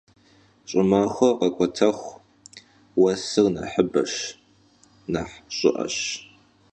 Ş'ımaxuer khek'uetexu, vuesır nexhıbeş, nexh ş'ı'eş.